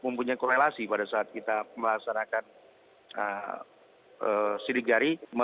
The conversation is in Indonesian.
mempunyai korelasi pada saat kita melaksanakan sidik jari